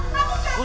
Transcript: udah udah udah